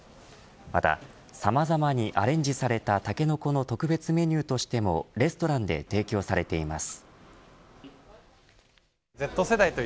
また、さまざまにアレンジされたタケノコの特別メニューとしてもレストランで提供されています。